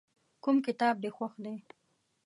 کوم کتاب دې خوښ دی.